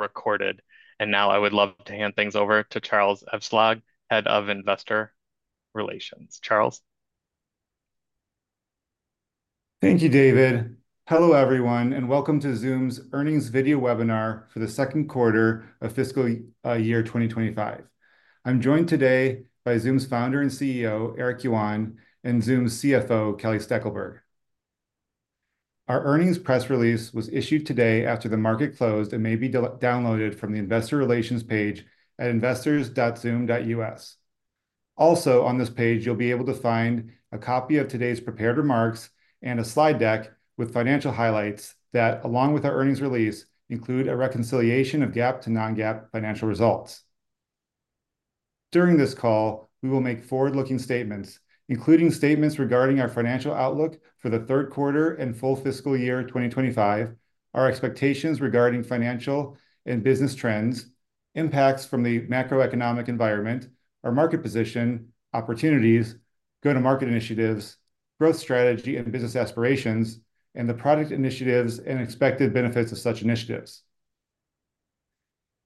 Recorded. And now I would love to hand things over to Charles Eveslage, Head of Investor Relations. Charles? Thank you, David. Hello, everyone, and welcome to Zoom's earnings video webinar for the second quarter of fiscal year 2025. I'm joined today by Zoom's founder and CEO, Eric Yuan, and Zoom's CFO, Kelly Steckelberg. Our earnings press release was issued today after the market closed and may be downloaded from the investor relations page at investors.zoom.us. Also, on this page, you'll be able to find a copy of today's prepared remarks and a slide deck with financial highlights that, along with our earnings release, include a reconciliation of GAAP to non-GAAP financial results. During this call, we will make forward-looking statements, including statements regarding our financial outlook for the third quarter and full fiscal year 2025, our expectations regarding financial and business trends, impacts from the macroeconomic environment, our market position, opportunities, go-to-market initiatives, growth strategy, and business aspirations, and the product initiatives and expected benefits of such initiatives.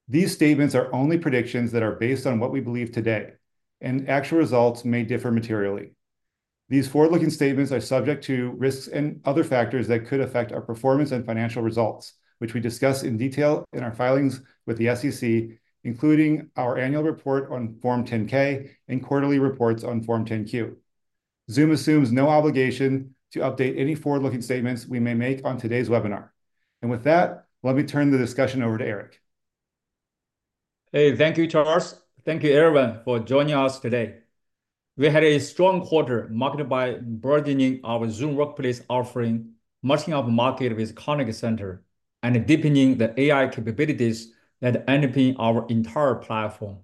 These statements are only predictions that are based on what we believe today, and actual results may differ materially. These forward-looking statements are subject to risks and other factors that could affect our performance and financial results, which we discuss in detail in our filings with the SEC, including our annual report on Form 10-K and quarterly reports on Form 10-Q. Zoom assumes no obligation to update any forward-looking statements we may make on today's webinar. And with that, let me turn the discussion over to Eric. Hey, thank you, Charles. Thank you, everyone, for joining us today. We had a strong quarter marked by broadening our Zoom Workplace offering, marching upmarket with Contact Center, and deepening the AI capabilities that underpin our entire platform.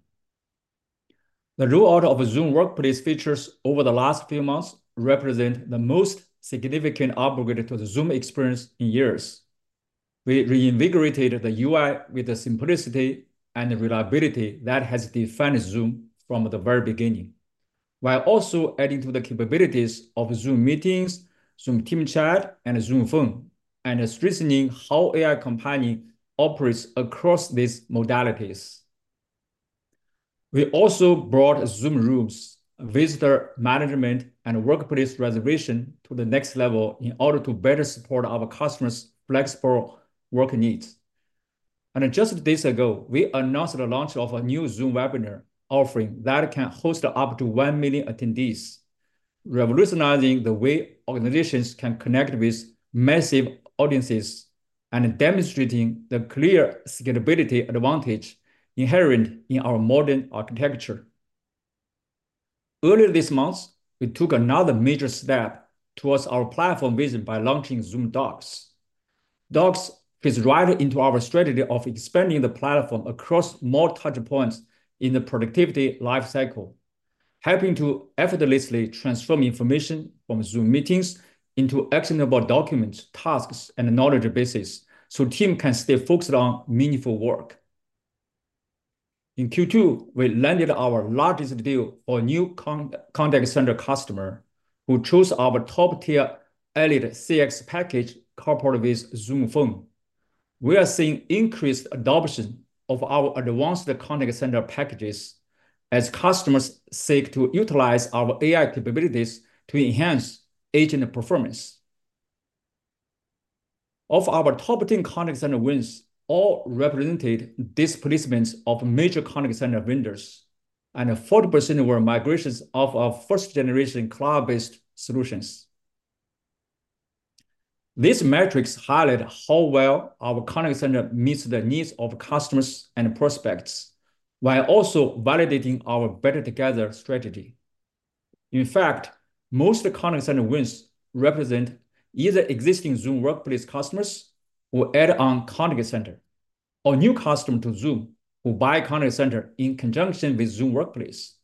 The rollout of Zoom Workplace features over the last few months represent the most significant upgrade to the Zoom experience in years. We reinvigorated the UI with the simplicity and reliability that has defined Zoom from the very beginning, while also adding to the capabilities of Zoom Meetings, Zoom Team Chat, and Zoom Phone, and strengthening how AI Companion operates across these modalities. We also brought Zoom Rooms, Visitor Management, and Workplace Reservation to the next level in order to better support our customers' flexible work needs. And just days ago, we announced the launch of a new Zoom Webinar offering that can host up to one million attendees, revolutionizing the way organizations can connect with massive audiences and demonstrating the clear scalability advantage inherent in our modern architecture. Earlier this month, we took another major step towards our platform vision by launching Zoom Docs. Docs fits right into our strategy of expanding the platform across more touch points in the productivity life cycle, helping to effortlessly transform information from Zoom Meetings into actionable documents, tasks, and knowledge bases so team can stay focused on meaningful work. In Q2, we landed our largest deal for a new Contact Center customer, who chose our top-tier Elite CX package coupled with Zoom Phone. We are seeing increased adoption of our advanced Contact Center packages as customers seek to utilize our AI capabilities to enhance agent performance. Of our top 10 contact center wins, all represented displacements of major contact center vendors, and 40% were migrations of our first-generation cloud-based solutions. These metrics highlight how well our contact center meets the needs of customers and prospects, while also validating our better together strategy. In fact, most contact center wins represent either existing Zoom Workplace customers who add on Contact Center, or new customers to Zoom who buy Contact Center in conjunction with Zoom Workplace.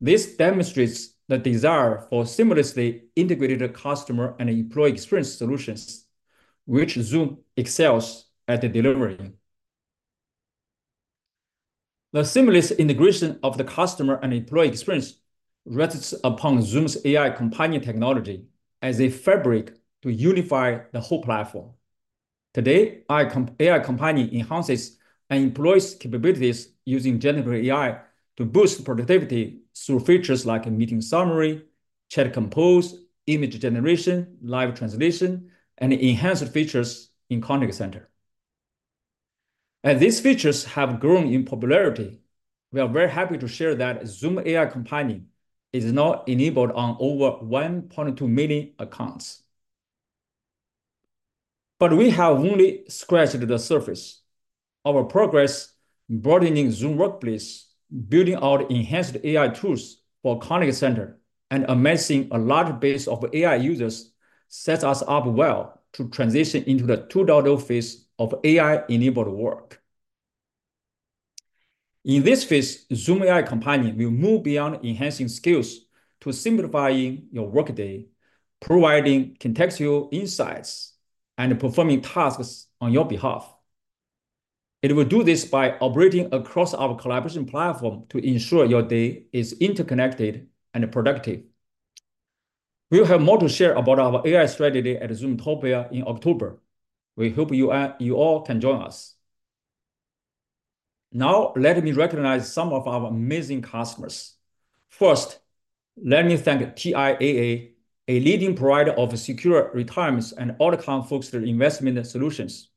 This demonstrates the desire for seamlessly integrated customer and employee experience solutions, which Zoom excels at delivering. The seamless integration of the customer and employee experience rests upon Zoom's AI Companion technology as a fabric to unify the whole platform. Today, AI Companion enhances and employs capabilities using generative AI to boost productivity through features like a meeting summary, chat compose, image generation, live translation, and enhanced features in Contact Center. As these features have grown in popularity, we are very happy to share that Zoom AI Companion is now enabled on over 1.2 million accounts. But we have only scratched the surface. Our progress in broadening Zoom Workplace, building out enhanced AI tools for Contact Center, and amassing a large base of AI users sets us up well to transition into the 2.0 phase of AI-enabled work. In this phase, Zoom AI Companion will move beyond enhancing skills to simplifying your workday, providing contextual insights, and performing tasks on your behalf. It will do this by operating across our collaboration platform to ensure your day is interconnected and productive. We have more to share about our AI strategy at Zoomtopia in October. We hope you all can join us. Now, let me recognize some of our amazing customers. First, let me thank TIAA, a leading provider of secure retirements and all-account focused investment solutions,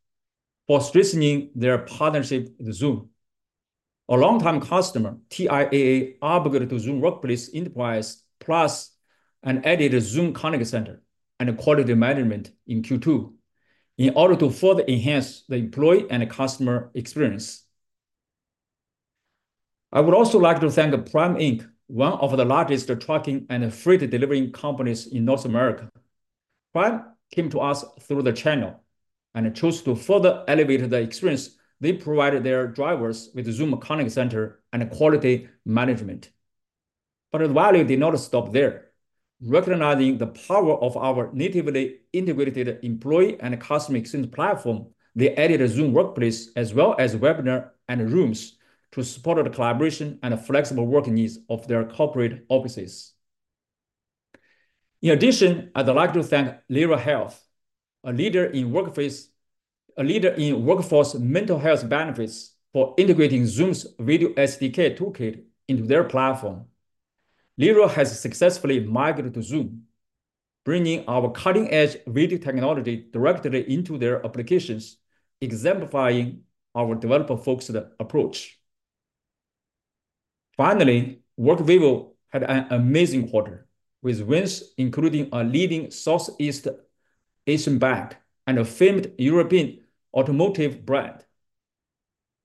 for strengthening their partnership with Zoom. A long-time customer, TIAA, upgraded to Zoom Workplace Enterprise Plus, and added Zoom Contact Center and Quality Management in Q2, in order to further enhance the employee and customer experience. I would also like to thank Prime Inc., one of the largest trucking and freight delivering companies in North America. Prime came to us through the channel, and chose to further elevate the experience they provided their drivers with Zoom Contact Center and Quality Management. But the value did not stop there. Recognizing the power of our natively integrated employee and customer experience platform, they added Zoom Workplace, as well as Webinar and Rooms, to support the collaboration and flexible working needs of their corporate offices. In addition, I'd like to thank Lyra Health, a leader in workforce mental health benefits, for integrating Zoom's Video SDK toolkit into their platform. Lyra has successfully migrated to Zoom, bringing our cutting-edge video technology directly into their applications, exemplifying our developer-focused approach. Finally, Workvivo had an amazing quarter, with wins, including a leading Southeast Asian bank and a famed European automotive brand.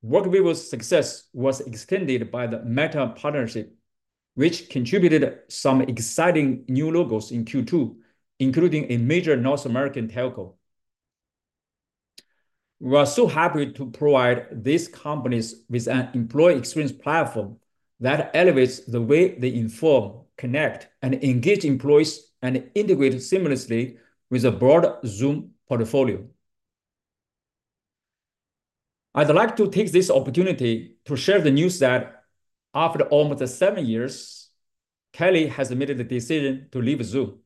Workvivo's success was extended by the Meta partnership, which contributed some exciting new logos in Q2, including a major North American telco. We are so happy to provide these companies with an employee experience platform that elevates the way they inform, connect, and engage employees, and integrate seamlessly with a broad Zoom portfolio. I'd like to take this opportunity to share the news that after almost seven years, Kelly has made the decision to leave Zoom.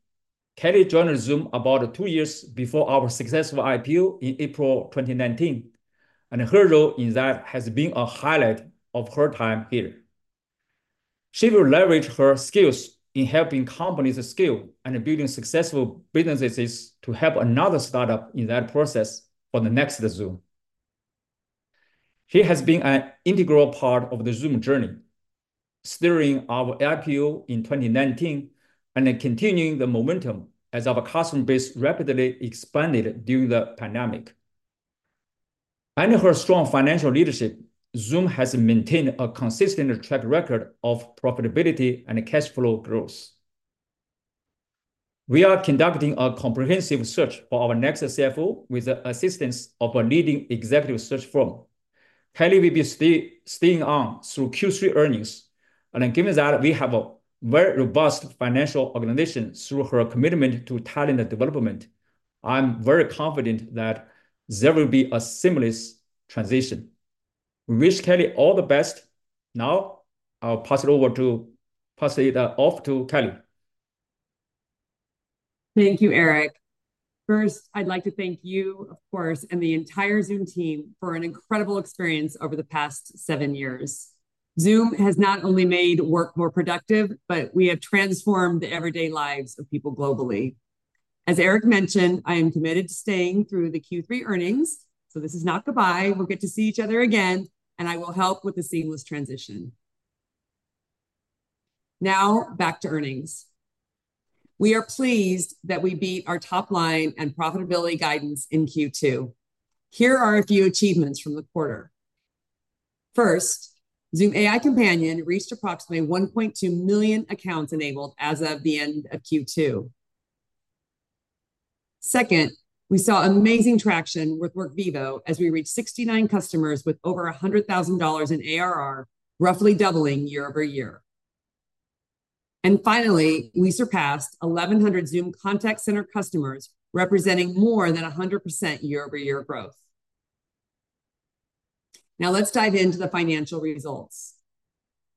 Kelly joined Zoom about two years before our successful IPO in April 2019, and her role in that has been a highlight of her time here. She will leverage her skills in helping companies scale and building successful businesses to help another startup in that process for the next Zoom. She has been an integral part of the Zoom journey, steering our IPO in 2019 and then continuing the momentum as our customer base rapidly expanded during the pandemic. Under her strong financial leadership, Zoom has maintained a consistent track record of profitability and cash flow growth. We are conducting a comprehensive search for our next CFO with the assistance of a leading executive search firm. Kelly will be staying on through Q3 earnings, and given that we have a very robust financial organization through her commitment to talent development, I'm very confident that there will be a seamless transition. We wish Kelly all the best. Now, I'll pass it off to Kelly. Thank you, Eric. First, I'd like to thank you, of course, and the entire Zoom team for an incredible experience over the past seven years. Zoom has not only made work more productive, but we have transformed the everyday lives of people globally. As Eric mentioned, I am committed to staying through the Q3 earnings, so this is not goodbye. We'll get to see each other again, and I will help with the seamless transition. Now, back to earnings. We are pleased that we beat our top line and profitability guidance in Q2. Here are a few achievements from the quarter. First, Zoom AI Companion reached approximately 1.2 million accounts enabled as of the end of Q2. Second, we saw amazing traction with Workvivo as we reached 69 customers with over $100,000 in ARR, roughly doubling year-over-year. Finally, we surpassed 1,100 Zoom Contact Center customers, representing more than 100% year-over-year growth. Now, let's dive into the financial results.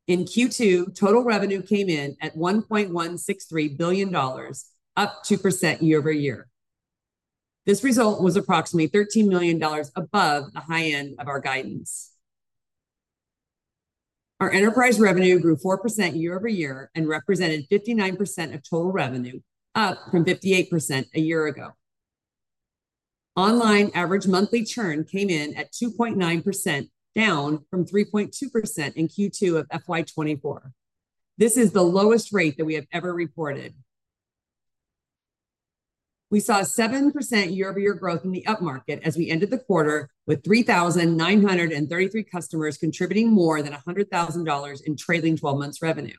In Q2, total revenue came in at $1.163 billion, up 2% year-over-year. This result was approximately $13 million above the high end of our guidance. Our enterprise revenue grew 4% year-over-year and represented 59% of total revenue, up from 58% a year ago. Online average monthly churn came in at 2.9%, down from 3.2% in Q2 of FY 2024. This is the lowest rate that we have ever reported. We saw a 7% year-over-year growth in the upmarket as we ended the quarter with 3,933 customers, contributing more than $100,000 in trailing 12 months revenue.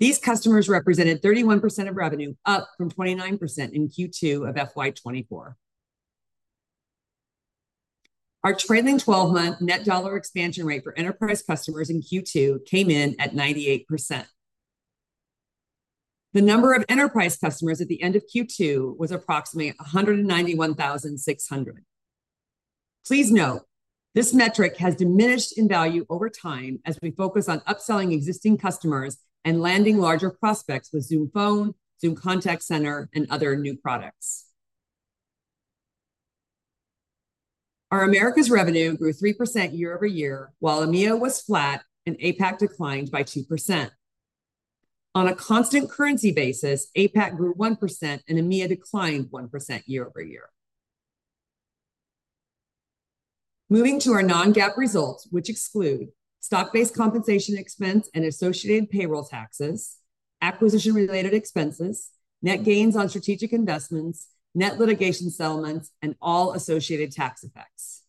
These customers represented 31% of revenue, up from 29% in Q2 of FY 2024. Our trailing 12-month net dollar expansion rate for enterprise customers in Q2 came in at 98%. The number of enterprise customers at the end of Q2 was approximately 191,600. Please note, this metric has diminished in value over time as we focus on upselling existing customers and landing larger prospects with Zoom Phone, Zoom Contact Center, and other new products. Our Americas revenue grew 3% year-over-year, while EMEA was flat and APAC declined by 2%. On a constant currency basis, APAC grew 1% and EMEA declined 1% year-over-year. Moving to our non-GAAP results, which exclude stock-based compensation expense and associated payroll taxes, acquisition-related expenses, net gains on strategic investments, net litigation settlements, and all associated tax effects.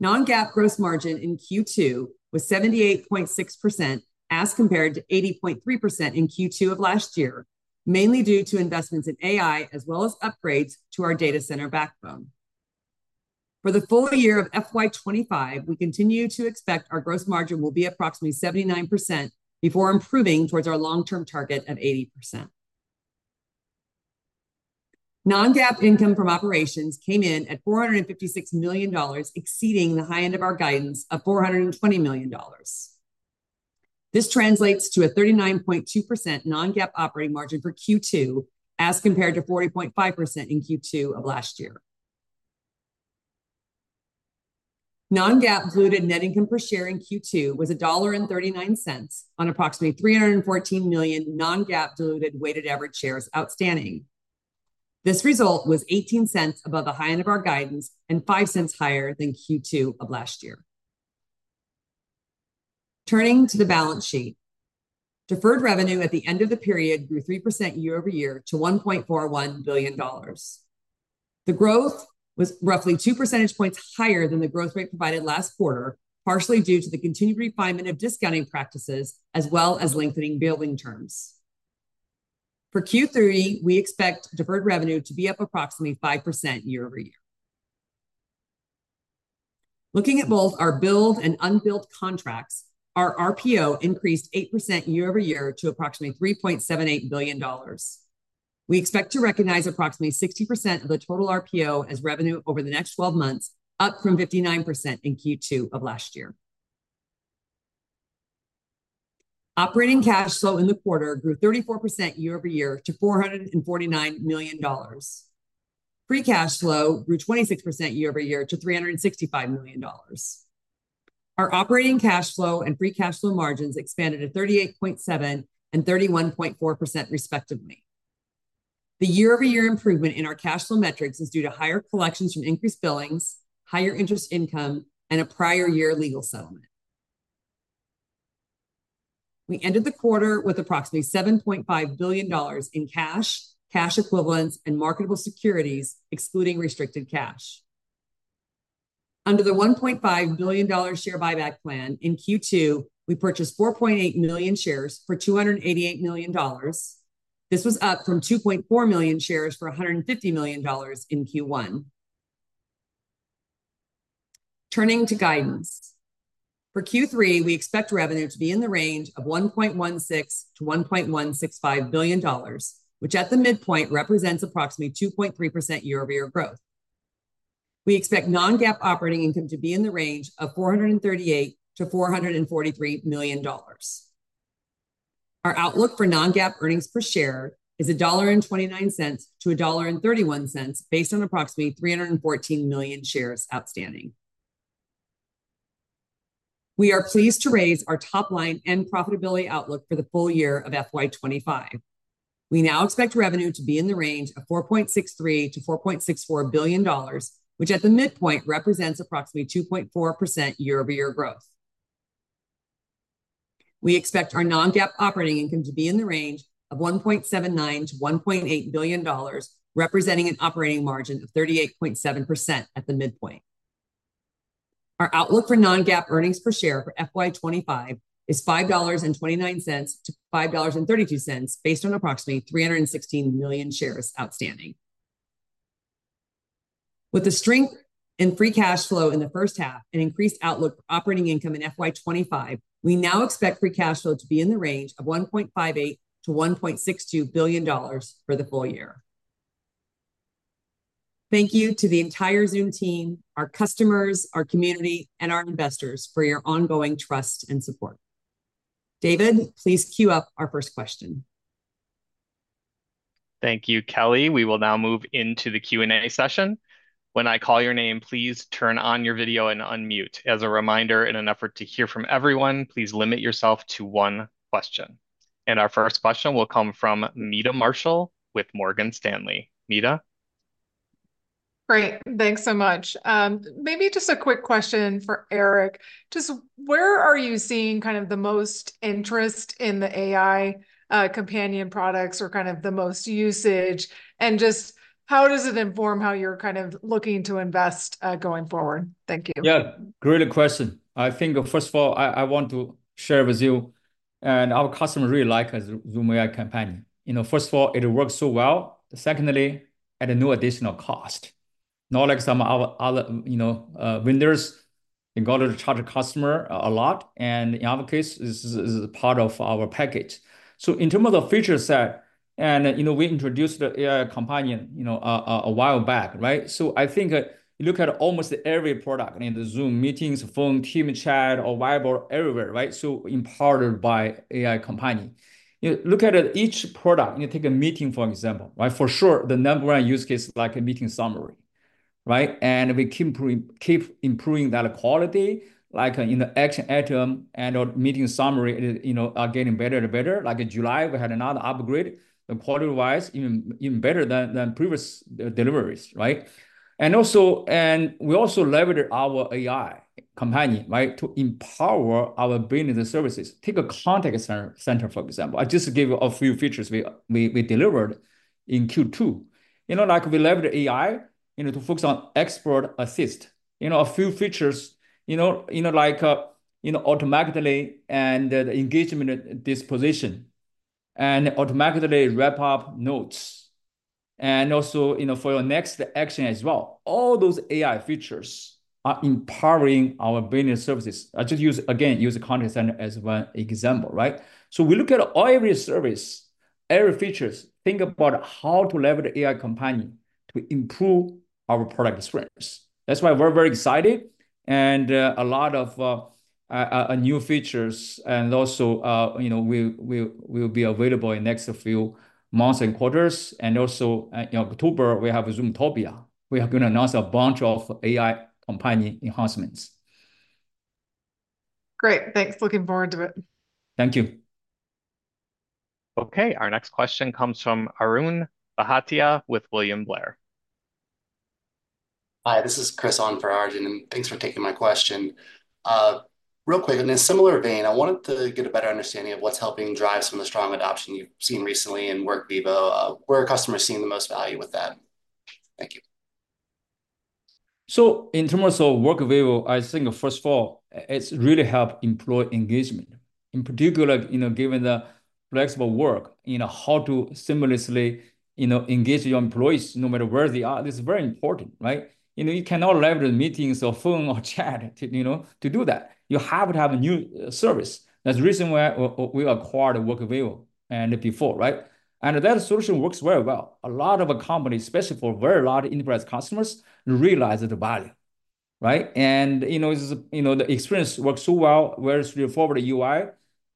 Non-GAAP gross margin in Q2 was 78.6%, as compared to 80.3% in Q2 of last year, mainly due to investments in AI, as well as upgrades to our data center backbone. For the full year of FY 2025, we continue to expect our gross margin will be approximately 79%, before improving towards our long-term target of 80%. Non-GAAP income from operations came in at $456 million, exceeding the high end of our guidance of $420 million. This translates to a 39.2% non-GAAP operating margin for Q2, as compared to 40.5% in Q2 of last year. Non-GAAP diluted net income per share in Q2 was $1.39 on approximately $314 million non-GAAP diluted weighted average shares outstanding. This result was $0.18 above the high end of our guidance and $0.05 higher than Q2 of last year. Turning to the balance sheet, deferred revenue at the end of the period grew 3% year-over-year to $1.41 billion. The growth was roughly two percentage points higher than the growth rate provided last quarter, partially due to the continued refinement of discounting practices as well as lengthening billing terms. For Q3, we expect deferred revenue to be up approximately 5% year-over-year. Looking at both our billed and unbilled contracts, our RPO increased 8% year-over-year to approximately $3.78 billion. We expect to recognize approximately 60% of the total RPO as revenue over the next 12 months, up from 59% in Q2 of last year. Operating cash flow in the quarter grew 34% year-over-year to $449 million. Free cash flow grew 26% year-over-year to $365 million. Our operating cash flow and free cash flow margins expanded to 38.7% and 31.4% respectively. The year-over-year improvement in our cash flow metrics is due to higher collections from increased billings, higher interest income, and a prior year legal settlement. We ended the quarter with approximately $7.5 billion in cash, cash equivalents, and marketable securities, excluding restricted cash. Under the $1.5 billion share buyback plan, in Q2, we purchased 4.8 million shares for $288 million. This was up from 2.4 million shares for $150 million in Q1. Turning to guidance, for Q3, we expect revenue to be in the range of $1.16 billion-$1.165 billion, which at the midpoint represents approximately 2.3% year-over-year growth. We expect non-GAAP operating income to be in the range of $438 million-$443 million. Our outlook for non-GAAP earnings per share is $1.29-$1.31, based on approximately 314 million shares outstanding. We are pleased to raise our top line and profitability outlook for the full year of FY 2025. We now expect revenue to be in the range of $4.63 billion-$4.64 billion, which at the midpoint represents approximately 2.4% year-over-year growth. We expect our non-GAAP operating income to be in the range of $1.79 billion-$1.8 billion, representing an operating margin of 38.7% at the midpoint. Our outlook for non-GAAP earnings per share for FY 2025 is $5.29-$5.32, based on approximately 316 million shares outstanding. With the strength in free cash flow in the first half and increased outlook for operating income in FY 2025, we now expect free cash flow to be in the range of $1.58 billion-$1.62 billion for the full year. Thank you to the entire Zoom team, our customers, our community, and our investors for your ongoing trust and support. David, please queue up our first question. Thank you, Kelly. We will now move into the Q&A session. When I call your name, please turn on your video and unmute. As a reminder, in an effort to hear from everyone, please limit yourself to one question. And our first question will come from Meta Marshall with Morgan Stanley. Meta? Great. Thanks so much. Maybe just a quick question for Eric. Just where are you seeing kind of the most interest in the AI Companion products or kind of the most usage? And just how does it inform how you're kind of looking to invest going forward? Thank you. Yeah, great question. I think, first of all, I want to share with you, and our customers really like our Zoom AI Companion. You know, first of all, it works so well; secondly, at no additional cost. Not like some other vendors in order to charge the customer a lot, and in our case, this is part of our package. So in terms of the feature set, and, you know, we introduced the AI Companion a while back, right? So I think you look at almost every product in the Zoom Meetings, Phone, Team Chat, or Workvivo or everywhere, right? So empowered by AI Companion. You look at each product, you take a meeting, for example, right? For sure, the number one use case is like a meeting summary, right? And we keep improving that quality, like in the action item and or meeting summary, you know, are getting better and better. Like in July, we had another upgrade, and quality-wise, even better than previous deliveries, right? And we also leverage our AI Companion, right, to empower our business services. Take a contact center for example. I just gave you a few features we delivered in Q2. You know, like we leverage AI, you know, to focus on Expert Assist. You know, a few features, you know, you know, like, you know, automatically and the engagement disposition, and automatically wrap up notes. And also, you know, for your next action as well. All those AI features are empowering our business services. I just use, again, use the contact center as one example, right? We look at every service, every features, think about how to leverage the AI Companion to improve our product strengths. That's why we're very excited, and a lot of new features, and also, you know, will be available in next few months and quarters. Also, in October, we have Zoomtopia. We are gonna announce a bunch of AI Companion enhancements. Great, thanks. Looking forward to it. Thank you. Okay, our next question comes from Arjun Bhatia with William Blair. Hi, this is Chris on for Arjun, and thanks for taking my question. Real quick, in a similar vein, I wanted to get a better understanding of what's helping drive some of the strong adoption you've seen recently in Workvivo. Where are customers seeing the most value with that? Thank you. So in terms of Workvivo, I think first of all, it's really helped employee engagement. In particular, you know, given the flexible work, you know, how to seamlessly, you know, engage your employees no matter where they are, this is very important, right? You know, you cannot leverage meetings or phone or chat to, you know, to do that. You have to have a new service. That's the reason why we acquired Workvivo and before, right? And that solution works very well. A lot of companies, especially for very large enterprise customers, realize the value, right? And, you know, this is, you know, the experience works so well, very straightforward UI.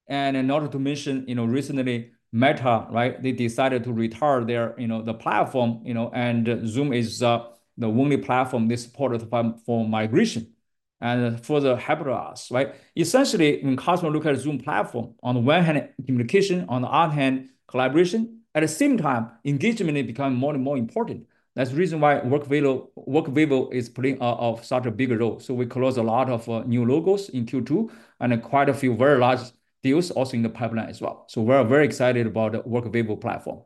And in order to mention, you know, recently, Meta, right, they decided to retire their, you know, the platform, you know, and Zoom is the only platform they supported by for migration and further help us, right? Essentially, when customer look at Zoom platform, on the one hand, communication, on the other hand, collaboration. At the same time, engagement, it become more and more important. That's the reason why Workvivo is playing such a big role. So we closed a lot of new logos in Q2, and quite a few very large deals also in the pipeline as well. So we're very excited about the Workvivo platform.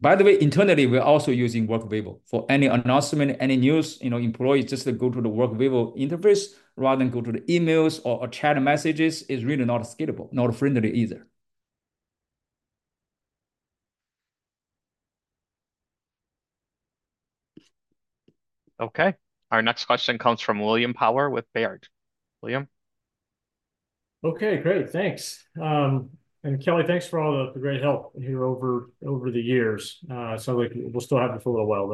By the way, internally, we're also using Workvivo for any announcement, any news, you know, employees just go to the Workvivo interface rather than go to the emails or chat messages, is really not scalable, not friendly either. Okay. Our next question comes from William Power with Baird. William? Okay, great, thanks. And Kelly, thanks for all the great help here over the years. Sounds like we'll still have you for a little while,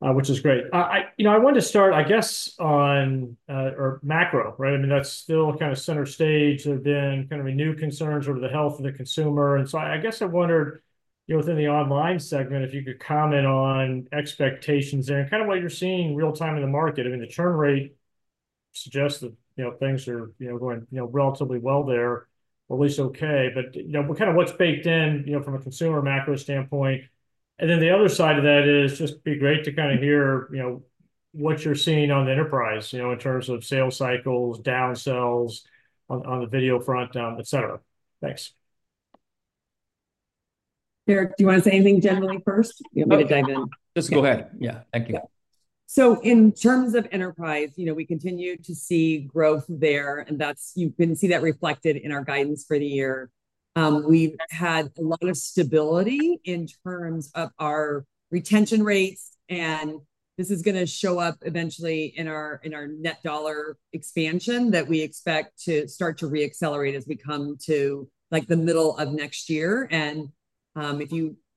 though, which is great. You know, I wanted to start, I guess, on macro, right? I mean, that's still kind of center stage have been kind of renewed concerns over the health of the consumer. And so I guess I wondered, you know, within the online segment, if you could comment on expectations and kind of what you're seeing real-time in the market. I mean, the churn rate suggests that, you know, things are, you know, going, you know, relatively well there, at least okay. But, you know, kind of what's baked in, you know, from a consumer macro standpoint. And then the other side of that is just be great to kind of hear, you know, what you're seeing on the enterprise, you know, in terms of sales cycles, down sales on the video front, et cetera. Thanks. Eric, do you want to say anything generally first? You want me to dive in? Just go ahead. Yeah. Thank you. So in terms of enterprise, you know, we continue to see growth there, and that's. You can see that reflected in our guidance for the year. We've had a lot of stability in terms of our retention rates, and this is gonna show up eventually in our net dollar expansion that we expect to start to re-accelerate as we come to, like, the middle of next year. And,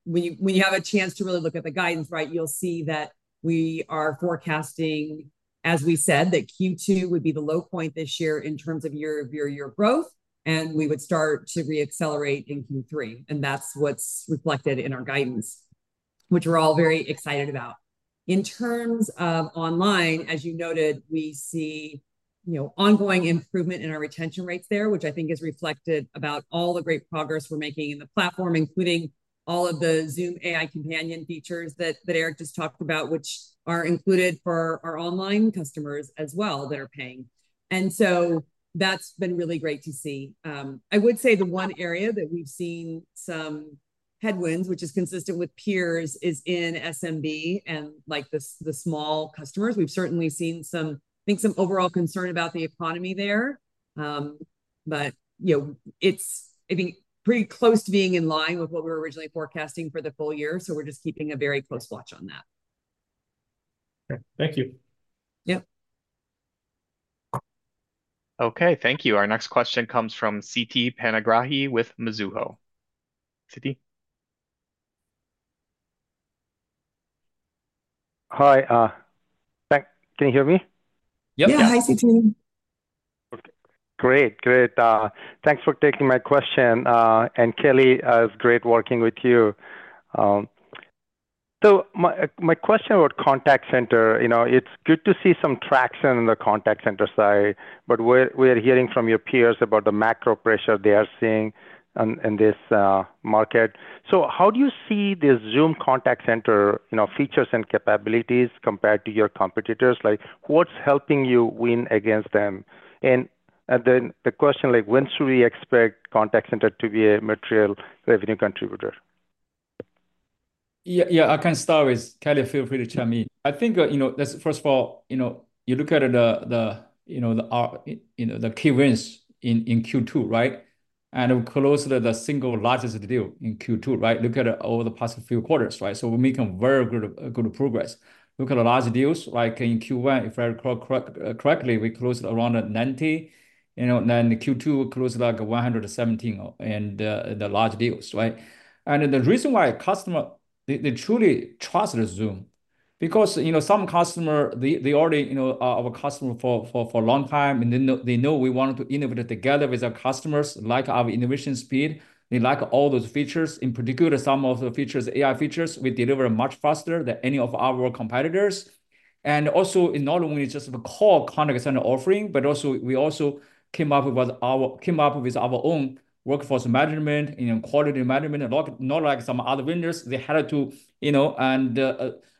when you have a chance to really look at the guidance, right, you'll see that we are forecasting, as we said, that Q2 would be the low point this year in terms of year-over-year growth, and we would start to re-accelerate in Q3, and that's what's reflected in our guidance, which we're all very excited about. In terms of online, as you noted, we see, you know, ongoing improvement in our retention rates there, which I think is reflected about all the great progress we're making in the platform, including all of the Zoom AI Companion features that Eric just talked about, which are included for our online customers as well, that are paying. And so that's been really great to see. I would say the one area that we've seen some headwinds, which is consistent with peers, is in SMB and, like, the small customers. We've certainly seen some, I think some overall concern about the economy there, but, you know, it's, I think, pretty close to being in line with what we were originally forecasting for the full year, so we're just keeping a very close watch on that. Okay, thank you. Yep. Okay, thank you. Our next question comes from Siti Panigrahi with Mizuho. Siti? Hi, can you hear me? Yep. Yeah. Hi, Siti. Okay, great, great. Thanks for taking my question. And Kelly, it's great working with you. So my question about contact center, you know, it's good to see some traction in the contact center side, but we're hearing from your peers about the macro pressure they are seeing in this market. So how do you see the Zoom Contact Center, you know, features and capabilities compared to your competitors? Like, what's helping you win against them? And then the question, like, when should we expect contact center to be a material revenue contributor? Yeah, yeah, I can start with Kelly, feel free to chime in. I think, you know, that's first of all, you know, you look at the key wins in Q2, right? And we closed the single largest deal in Q2, right? Look at it over the past few quarters, right? So we're making very good progress. Look at the large deals, like in Q1, if I recall correctly, we closed around 90, you know, then Q2 closed like 117, and the large deals, right? And the reason why customer, they truly trust Zoom, because, you know, some customer, they already, you know, are our customer for a long time, and they know, they know we want to innovate together with our customers, like our innovation speed. They like all those features. In particular, some of the features, AI features, we deliver much faster than any of our competitors. And also, it's not only just the core contact center offering, but also, we also came up with our own Workforce Management, you know, Quality Management. A lot, not like some other vendors, they had to, you know, and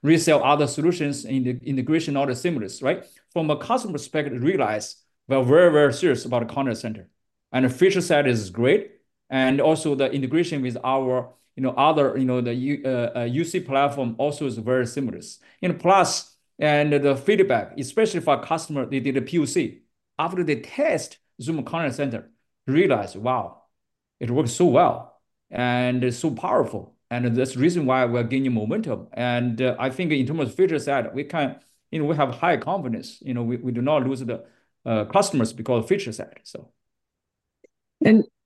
resell other solutions in the integration, not as seamless, right? From a customer perspective, realize we are very, very serious about the contact center, and the feature set is great, and also the integration with our, you know, other, you know, the UC platform also is very seamless. And plus, and the feedback, especially for our customer, they did a POC. After they test Zoom Contact Center, realize, "Wow, it works so well, and it's so powerful," and that's the reason why we're gaining momentum. And, I think in terms of feature set, we can, you know, we have high confidence, you know, we do not lose the customers because of feature set, so...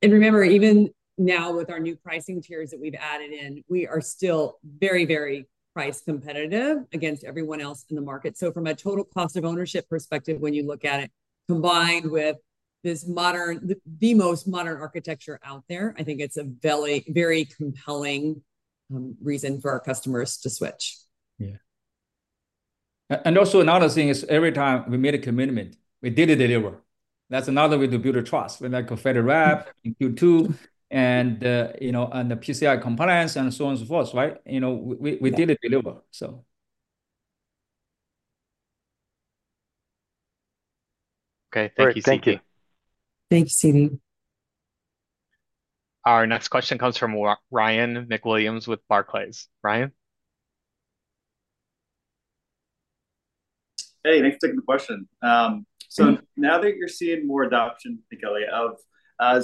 Remember, even now with our new pricing tiers that we've added in, we are still very, very price competitive against everyone else in the market. So from a total cost of ownership perspective, when you look at it, combined with the most modern architecture out there, I think it's a very, very compelling reason for our customers to switch. Yeah. And also another thing is every time we made a commitment, we did deliver. That's another way to build trust, with like FedRAMP in Q2, and, you know, and the PCI compliance, and so on and so forth, right? You know, we did deliver, so. Okay, thank you. Thanks, Siti. Our next question comes from Ryan MacWilliams with Barclays. Ryan? Hey, thanks for taking the question. So now that you're seeing more adoption, Kelly, of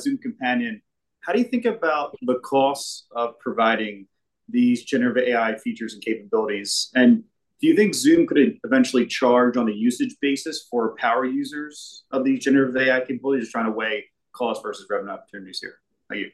Zoom AI Companion, how do you think about the costs of providing these generative AI features and capabilities? And do you think Zoom could eventually charge on a usage basis for power users of the generative AI capability? Just trying to weigh cost versus revenue opportunities here. Thank you.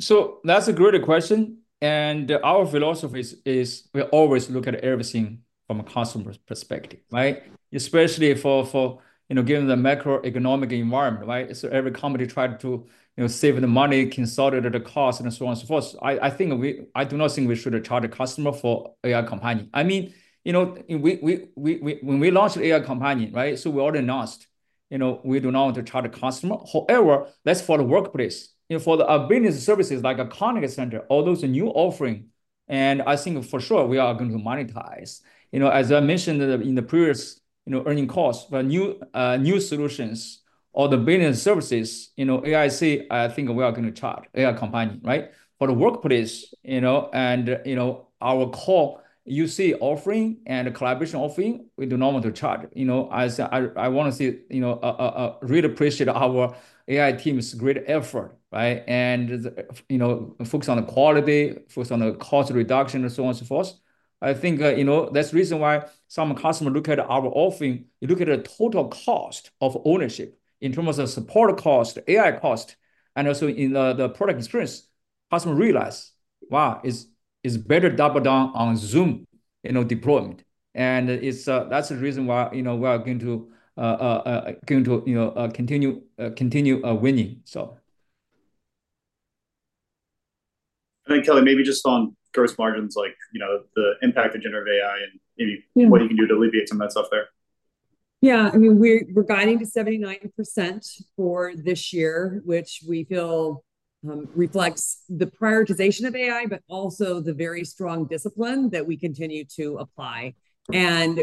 So that's a great question, and our philosophy is we always look at everything from a customer perspective, right? Especially for, you know, given the macroeconomic environment, right? So every company try to, you know, save the money, consolidate the cost, and so on and so forth. I do not think we should charge a customer for AI Companion. I mean, you know, we when we launched AI Companion, right, so we already announced, you know, we do not want to charge the customer. However, that's for the workplace. You know, for the business services like a contact center, all those new offering, and I think for sure we are going to monetize. You know, as I mentioned in the previous, you know, earnings calls, the new solutions or the business services, you know, AI Companion, I think we are going to charge AI Companion, right? For the workplace, you know, and, you know, our core UC offering and collaboration offering, we do not want to charge. You know, I want to say, you know, really appreciate our AI team's great effort, right? And, you know, focus on the quality, focus on the cost reduction, and so on and so forth. I think, you know, that's the reason why some customer look at our offering, look at the total cost of ownership. In terms of support cost, AI cost, and also in the product experience, customer realize, wow, it's better double down on Zoom, you know, deployment. That's the reason why, you know, we are going to, you know, continue winning, so... And then, Kelly, maybe just on gross margins, like, you know, the impact of generative AI and maybe what you can do to alleviate some of that stuff there. Yeah, I mean, we're guiding to 79% for this year, which we feel reflects the prioritization of AI, but also the very strong discipline that we continue to apply.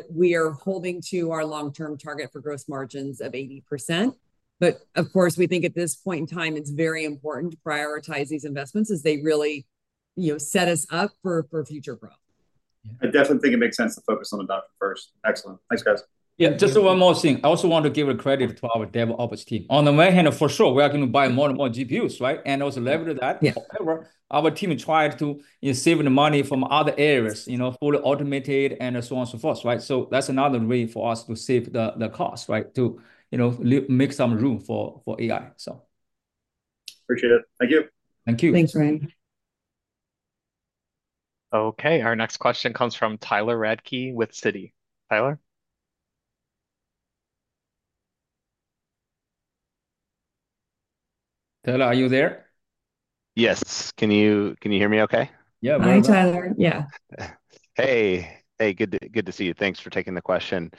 We are holding to our long-term target for gross margins of 80%. But of course, we think at this point in time, it's very important to prioritize these investments as they really, you know, set us up for future growth.... I definitely think it makes sense to focus on the doctor first. Excellent. Thanks, guys. Yeah, just one more thing. I also want to give a credit to our DevOps team. On the one hand, for sure, we are going to buy more and more GPUs, right? And also leverage that- Yeah However, our team tried to, you know, saving the money from other areas, you know, fully automated, and so on and so forth, right? So that's another way for us to save the, the cost, right, to, you know, make some room for, for AI, so. Appreciate it. Thank you. Thank you. Thanks, Ryan. Okay, our next question comes from Tyler Radke with Citi. Tyler? Tyler, are you there? Yes. Can you hear me okay? Yeah, I'm- Hi, Tyler. Yeah. Hey, good to see you. Thanks for taking the question.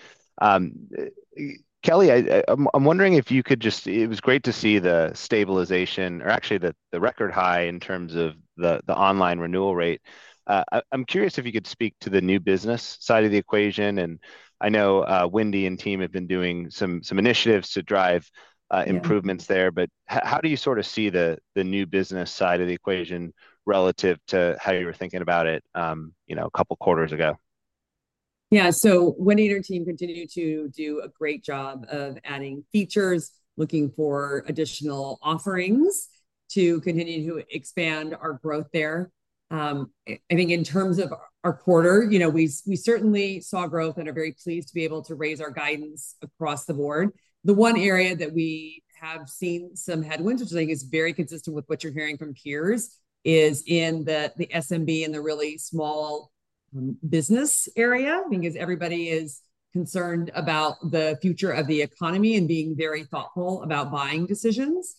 Kelly, I'm wondering if you could just... It was great to see the stabilization, or actually the record high in terms of the online renewal rate. I'm curious if you could speak to the new business side of the equation, and I know Wendy and team have been doing some initiatives to drive improvements there, but how do you sort of see the, the new business side of the equation relative to how you were thinking about it, you know, a couple quarters ago? Yeah. So Wendy and her team continue to do a great job of adding features, looking for additional offerings to continue to expand our growth there. I think in terms of our quarter, you know, we certainly saw growth and are very pleased to be able to raise our guidance across the board. The one area that we have seen some headwinds, which I think is very consistent with what you're hearing from peers, is in the SMB and the really small business area, because everybody is concerned about the future of the economy and being very thoughtful about buying decisions.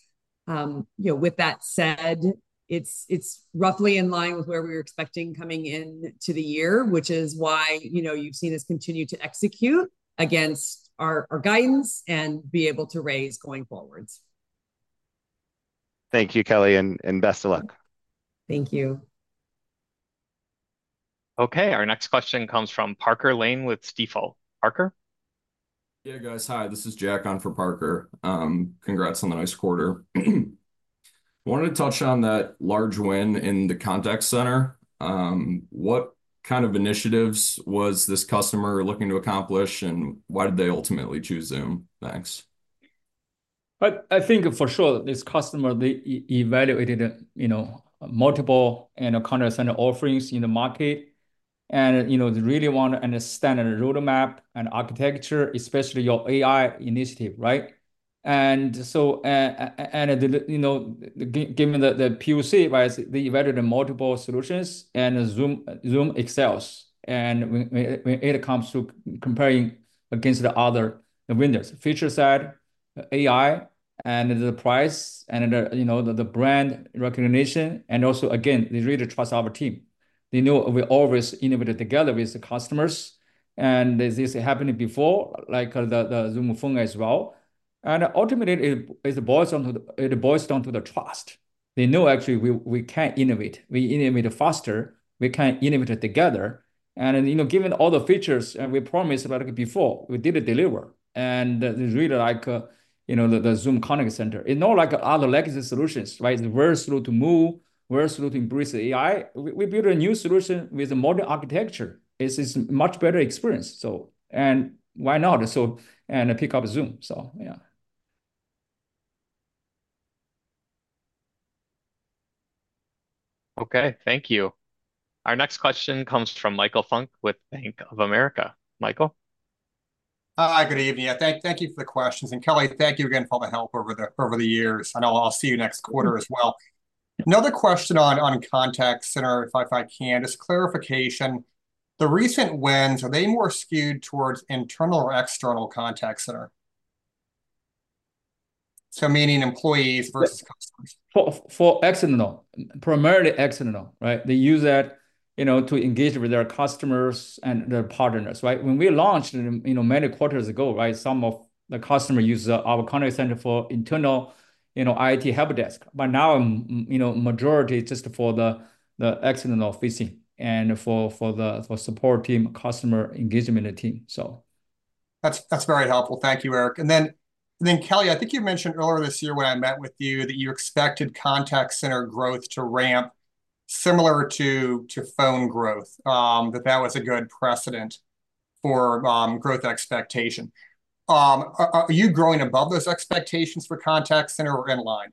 You know, with that said, it's roughly in line with where we were expecting coming into the year, which is why, you know, you've seen us continue to execute against our guidance and be able to raise going forwards. Thank you, Kelly, and best of luck. Thank you. Okay, our next question comes from Parker Lane with Stifel. Parker? Yeah, guys. Hi, this is Jack on for Parker. Congrats on the nice quarter. Wanted to touch on that large win in the contact center. What kind of initiatives was this customer looking to accomplish, and why did they ultimately choose Zoom? Thanks. I think for sure this customer, they evaluated, you know, multiple, you know, contact center offerings in the market, and, you know, they really want to understand the roadmap and architecture, especially your AI initiative, right? And so, and, you know, given the POC, right, they evaluated multiple solutions, and Zoom excels. And when it comes to comparing against the other vendors, feature set, AI, and the price, and the, you know, the brand recognition, and also, again, they really trust our team. They know we always innovate together with the customers, and this happened before, like, the Zoom Phone as well, and ultimately, it boils down to the trust. They know actually we can innovate. We innovate faster, we can innovate together, and, you know, given all the features, and we promised about it before, we did it deliver. And it's really like, you know, the Zoom Contact Center. It's not like other legacy solutions, right? It's very smooth to move, very smooth to embrace the AI. We built a new solution with a modern architecture. It's much better experience, so... And why not? So, and pick up Zoom, so yeah. Okay, thank you. Our next question comes from Michael Funk with Bank of America. Michael? Hi, good evening. Yeah, thank you for the questions. And Kelly, thank you again for all the help over the years, and I'll see you next quarter as well. Another question on contact center, if I can, just clarification. The recent wins, are they more skewed towards internal or external contact center? So meaning employees versus customers. For external, primarily external, right? They use that, you know, to engage with their customers and their partners, right? When we launched, you know, many quarters ago, right, some of the customer uses our contact center for internal, you know, IT helpdesk. But now, you know, majority just for the external facing and for the support team, customer engagement team, so. That's very helpful. Thank you, Eric. And then, Kelly, I think you mentioned earlier this year when I met with you that you expected contact center growth to ramp similar to phone growth, that that was a good precedent for growth expectation. Are you growing above those expectations for contact center or in line?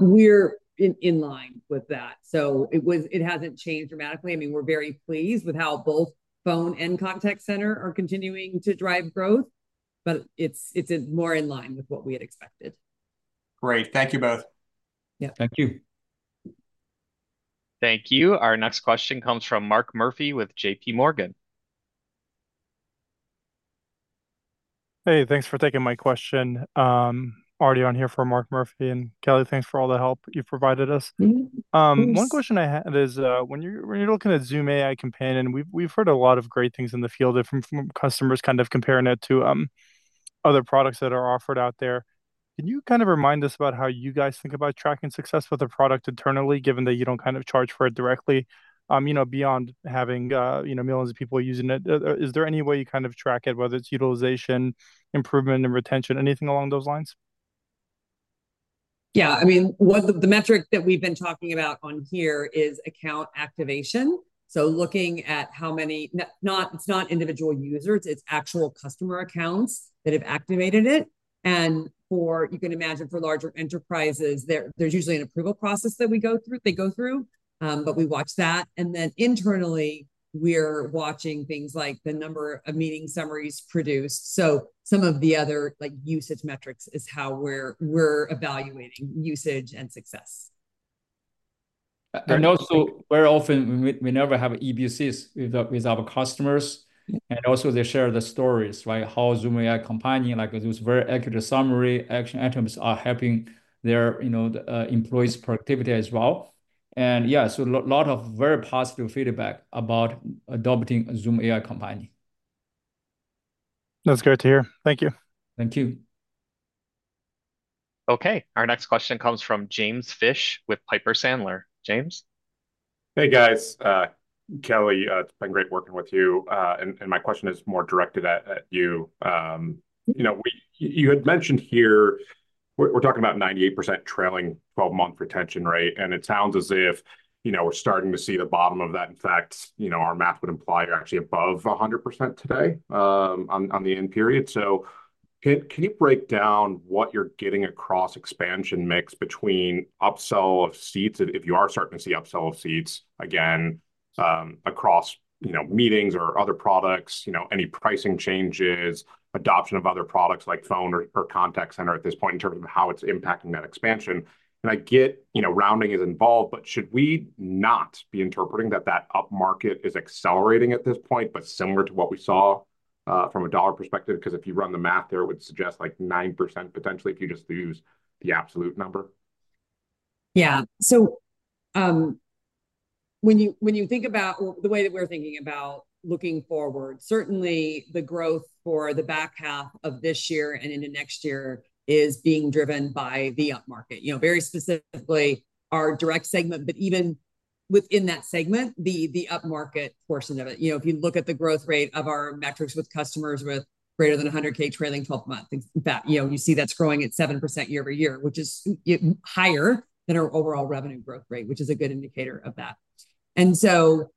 We're in line with that. So it hasn't changed dramatically. I mean, we're very pleased with how both phone and contact center are continuing to drive growth, but it's more in line with what we had expected. Great. Thank you both. Yeah. Thank you. Thank you. Our next question comes from Mark Murphy with JP Morgan. Hey, thanks for taking my question. Arti on here for Mark Murphy, and Kelly, thanks for all the help you've provided us. Thanks. One question I had is, when you're looking at Zoom AI Companion, we've heard a lot of great things in the field from customers kind of comparing it to other products that are offered out there. Can you kind of remind us about how you guys think about tracking success with a product internally, given that you don't kind of charge for it directly, you know, beyond having millions of people using it? Is there any way you kind of track it, whether it's utilization, improvement, and retention, anything along those lines? Yeah, I mean, one of the metric that we've been talking about on here is account activation. So looking at how many – not, it's not individual users, it's actual customer accounts that have activated it. And you can imagine for larger enterprises, there's usually an approval process that we go through, they go through, but we watch that. And then internally, we're watching things like the number of meeting summaries produced. So some of the other, like, usage metrics is how we're evaluating usage and success. And also, very often, we never have EBCs with our customers, and also they share the stories, right? How Zoom AI Companion, like, it was very accurate summary, action items are helping their, you know, the employees' productivity as well. And yeah, so lot of very positive feedback about adopting Zoom AI Companion. That's great to hear. Thank you. Thank you. Okay, our next question comes from James Fish with Piper Sandler. James? Hey, guys. Kelly, it's been great working with you, and my question is more directed at you. You know, you had mentioned here, we're talking about 98% trailing 12-month retention rate, and it sounds as if, you know, we're starting to see the bottom of that. In fact, you know, our math would imply you're actually above 100% today, on the end period. So can you break down what you're getting across expansion mix between upsell of seats, if you are starting to see upsell of seats again, across, you know, meetings or other products, you know, any pricing changes, adoption of other products like Phone or Contact Center at this point, in terms of how it's impacting that expansion? I get, you know, rounding is involved, but should we not be interpreting that that upmarket is accelerating at this point, but similar to what we saw from a dollar perspective? 'Cause if you run the math there, it would suggest, like, 9% potentially, if you just use the absolute number. Yeah. So, when you, when you think about, or the way that we're thinking about looking forward, certainly the growth for the back half of this year and into next year is being driven by the upmarket. You know, very specifically, our direct segment, but even within that segment, the upmarket portion of it. You know, if you look at the growth rate of our metrics with customers with greater than 100K trailing 12 months, in fact, you know, you see that's growing at 7% year-over-year, which is higher than our overall revenue growth rate, which is a good indicator of that. And so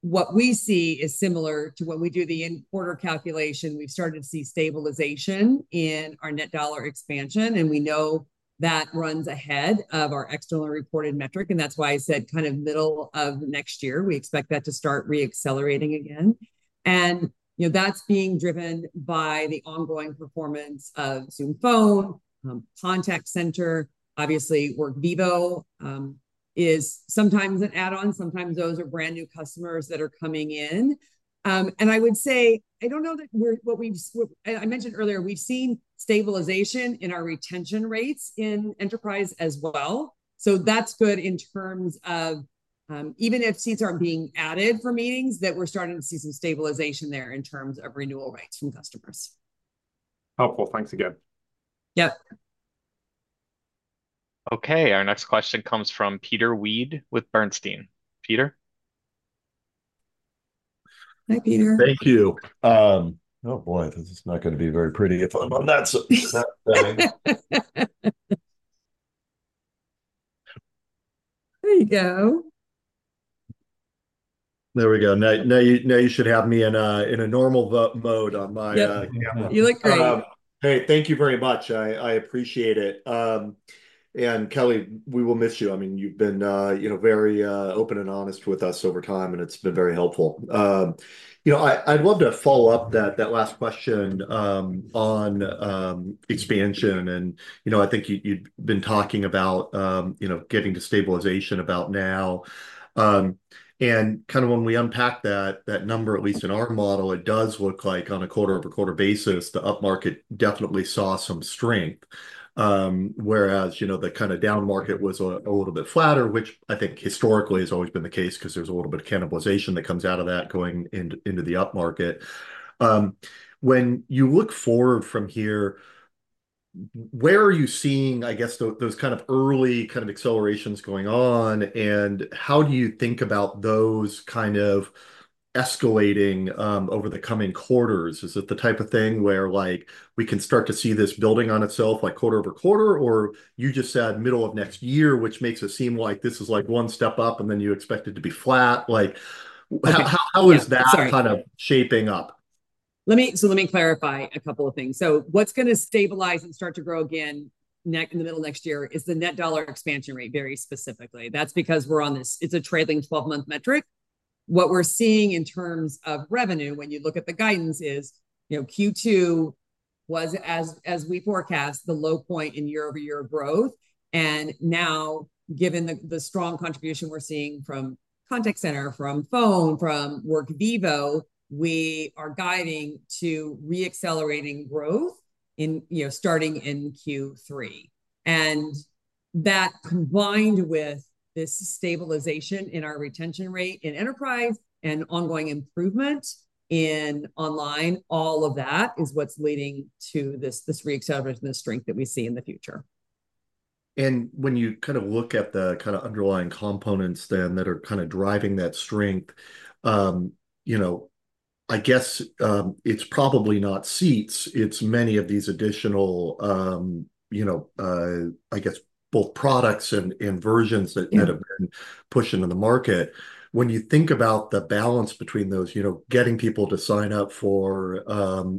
what we see is similar to when we do the end-of-quarter calculation. We've started to see stabilization in our net dollar expansion, and we know that runs ahead of our external reported metric, and that's why I said kind of middle of next year, we expect that to start re-accelerating again. And, you know, that's being driven by the ongoing performance of Zoom Phone, Contact Center, obviously Workvivo is sometimes an add-on, sometimes those are brand-new customers that are coming in. And I would say, I don't know that we're. I mentioned earlier, we've seen stabilization in our retention rates in Enterprise as well, so that's good in terms of even if seats aren't being added for meetings, that we're starting to see some stabilization there in terms of renewal rates from customers. Helpful. Thanks again. Yep. Okay, our next question comes from Peter Weed with Bernstein. Peter? Hi, Peter. Thank you. Oh, boy, this is not gonna be very pretty if I'm on that thing. There you go. There we go. Now you should have me in a normal v- mode on my. Yep... camera. You look great. Hey, thank you very much. I appreciate it. Kelly, we will miss you. I mean, you've been, you know, very open and honest with us over time, and it's been very helpful. You know, I'd love to follow up that last question on expansion. You know, I think you'd been talking about getting to stabilization about now, and kind of when we unpack that number, at least in our model, it does look like on a quarter-over-quarter basis, the upmarket definitely saw some strength. Whereas, you know, the kind of downmarket was a little bit flatter, which I think historically has always been the case, 'cause there's a little bit of cannibalization that comes out of that going into the upmarket. When you look forward from here, where are you seeing, I guess, those kind of early kind of accelerations going on, and how do you think about those kind of escalating over the coming quarters? Is it the type of thing where, like, we can start to see this building on itself, like quarter-over-quarter, or you just said middle of next year, which makes it seem like this is, like, one step up, and then you expect it to be flat? Like, how, how- Yeah, sorry... is that kind of shaping up? Let me clarify a couple of things. So what's gonna stabilize and start to grow again in the middle of next year is the net dollar expansion rate, very specifically. That's because we're on this, it's a trailing 12-month metric. What we're seeing in terms of revenue, when you look at the guidance, is, you know, Q2 was, as we forecast, the low point in year-over-year growth. And now, given the strong contribution we're seeing from Contact Center, from Phone, from Workvivo, we are guiding to reaccelerating growth in, you know, starting in Q3. And that, combined with this stabilization in our retention rate in Enterprise and ongoing improvement in online, all of that is what's leading to this reacceleration, the strength that we see in the future. And when you kind of look at the kind of underlying components then that are kind of driving that strength, you know. I guess it's probably not seats, it's many of these additional, you know, I guess both products and versions that- Yeah... that have been pushed into the market. When you think about the balance between those, you know, getting people to sign up for,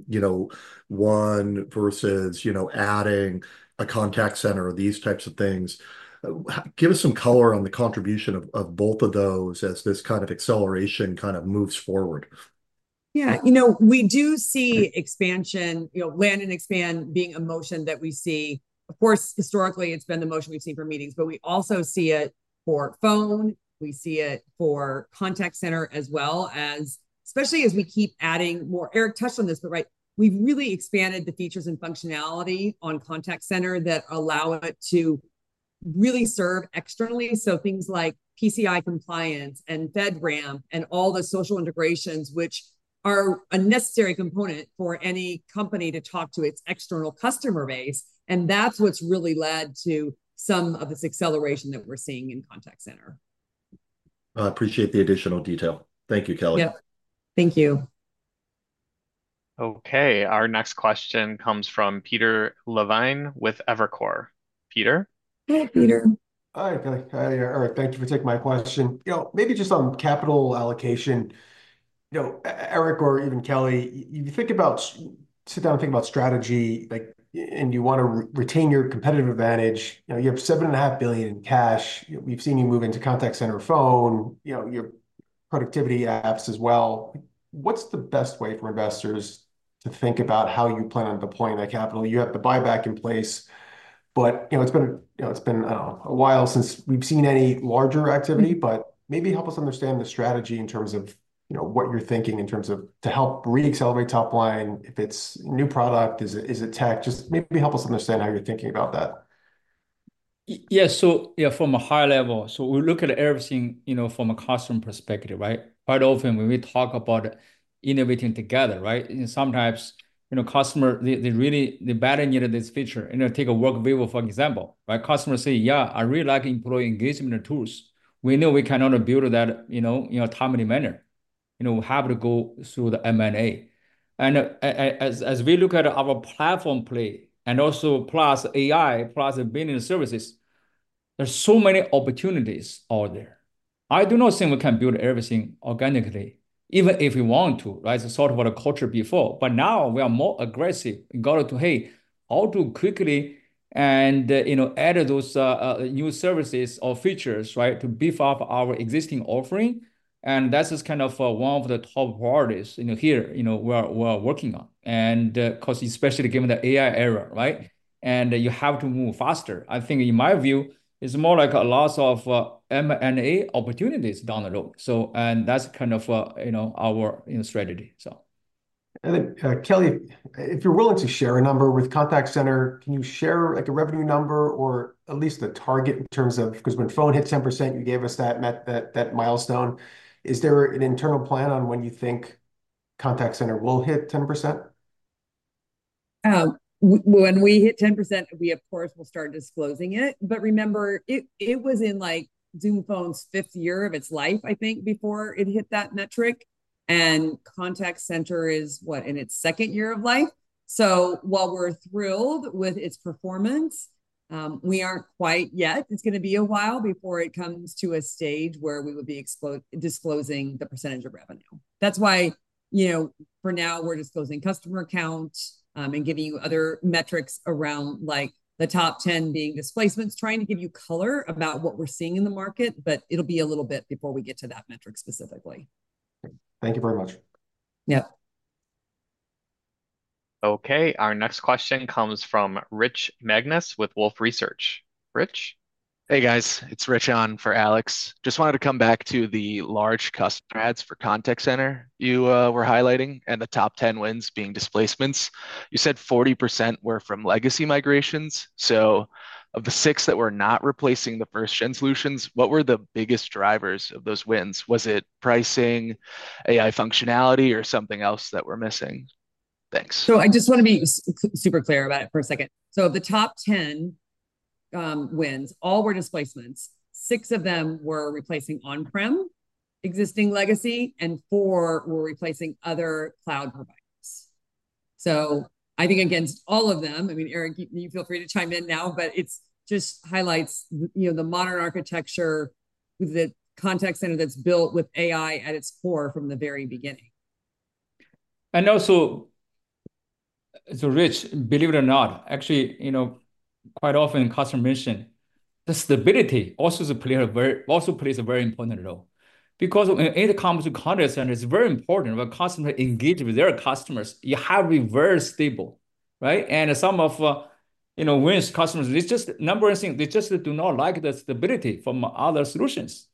you know, one versus, you know, adding a contact center or these types of things, give us some color on the contribution of, of both of those as this kind of acceleration kind of moves forward. Yeah, you know, we do see expansion, you know, land and expand being a motion that we see. Of course, historically, it's been the motion we've seen for meetings, but we also see it for phone, we see it for contact center, as well as, especially as we keep adding more. Eric touched on this, but, right, we've really expanded the features and functionality on contact center that allow it to really serve externally. So things like PCI compliance, and FedRAMP, and all the social integrations, which are a necessary component for any company to talk to its external customer base, and that's what's really led to some of this acceleration that we're seeing in contact center. I appreciate the additional detail. Thank you, Kelly. Yep. Thank you. Okay, our next question comes from Peter Levine with Evercore. Peter? Hey, Peter. Hi, Kelly. Hi, Eric. Thank you for taking my question. You know, maybe just on capital allocation, you know, Eric, or even Kelly, you sit down and think about strategy, like, and you wanna retain your competitive advantage. You know, you have $7.5 billion in cash. We've seen you move into contact center phone, you know, your productivity apps as well. What's the best way for investors to think about how you plan on deploying that capital? You have the buyback in place, but, you know, it's been a while since we've seen any larger activity. But maybe help us understand the strategy in terms of, you know, what you're thinking in terms of to help reaccelerate top line, if it's new product, is it, is it tech? Just maybe help us understand how you're thinking about that. Yeah, from a high level, so we look at everything, you know, from a customer perspective, right? Quite often when we talk about innovating together, right, and sometimes, you know, customer, they really badly needed this feature. You know, take a Workvivo, for example, right? Customer say, "Yeah, I really like employee engagement tools." We know we cannot build that, you know, in a timely manner. You know, we have to go through the M&A. And as we look at our platform play, and also plus AI, plus business services, there's so many opportunities out there. I do not think we can build everything organically, even if we want to, right? So sort of what a culture before. But now we are more aggressive in order to, "Hey, how to quickly," and, you know, add those new services or features, right, to beef up our existing offering, and that's just kind of one of the top priorities, you know, here, you know, we're working on. 'Cause especially given the AI era, right? You have to move faster. I think in my view, it's more like a lot of M&A opportunities down the road. That's kind of, you know, our strategy, so. Then, Kelly, if you're willing to share a number with contact center, can you share, like, a revenue number or at least a target in terms of- because when phone hits 10%, you gave us that milestone. Is there an internal plan on when you think contact center will hit 10%? When we hit 10%, we of course will start disclosing it. But remember, it was in, like, Zoom Phone's fifth year of its life, I think, before it hit that metric, and contact center is, what, in its second year of life? So while we're thrilled with its performance, we aren't quite yet. It's gonna be a while before it comes to a stage where we would be disclosing the percentage of revenue. That's why, you know, for now, we're disclosing customer counts and giving you other metrics around, like the top 10 being displacements, trying to give you color about what we're seeing in the market, but it'll be a little bit before we get to that metric specifically. Thank you very much. Yeah. Okay, our next question comes from Rich Magnus with Wolfe Research. Rich? Hey, guys. It's Rich on for Alex. Just wanted to come back to the large customer adds for contact center you were highlighting, and the top 10 wins being displacements. You said 40% were from legacy migrations, so of the six that were not replacing the first-gen solutions, what were the biggest drivers of those wins? Was it pricing, AI functionality, or something else that we're missing? Thanks. So I just wanna be super clear about it for a second. So the top 10 wins, all were displacements. Six of them were replacing on-prem existing legacy, and four were replacing other cloud providers. So I think against all of them, I mean, Eric, you feel free to chime in now, but it's just highlights you know, the modern architecture, the contact center that's built with AI at its core from the very beginning. And also, so Rich, believe it or not, actually, you know, quite often customers mention, the stability also is a player. Also plays a very important role. Because when it comes to contact center, it's very important when customers engage with their customers, you have to be very stable, right? And some of, you know, wins customers, it's just number one thing, they just do not like the stability from other solutions,